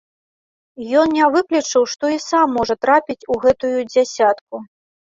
Ён не выключыў, што і сам можа трапіць у гэтую дзясятку.